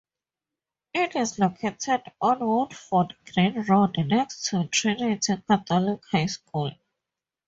It is located on Woodford Green road next to Trinity Catholic High School.